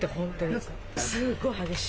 すごい激しい。